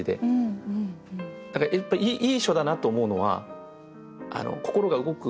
やっぱりいい書だなと思うのは「心が動く」